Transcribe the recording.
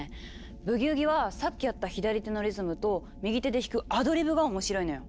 ブギウギはさっきやった左手のリズムと右手で弾く「アドリブ」が面白いのよ。